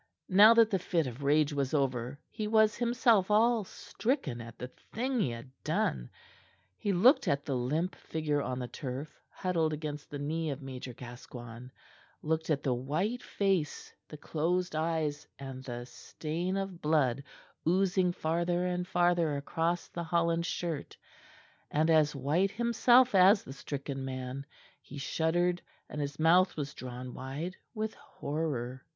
Now that the fit of rage was over, he was himself all stricken at the thing he had done. He looked at the limp figure on the turf, huddled against the knee of Major Gascoigne; looked at the white face, the closed eyes and the stain of blood oozing farther and farther across the Holland shirt, and, as white himself as the stricken man, he shuddered and his mouth was drawn wide with horror.